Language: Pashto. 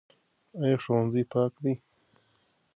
ایا ښوونځی پاک دی؟